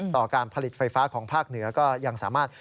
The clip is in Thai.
การผลิตไฟฟ้าของภาคเหนือก็ยังสามารถ